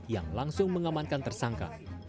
yang langsung mengamankan tersangka